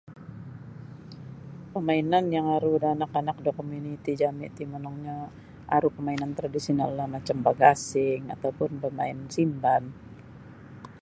Pamainan yang aru da anak-anak da komuniti jami ti monongnyo aru pamainan tradisionallah macam bagasing atau pun bamain simban.